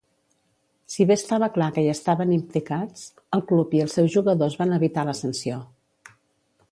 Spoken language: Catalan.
Si bé estava clar que hi estaven implicats, el club i els seus jugadors van evitar la sanció.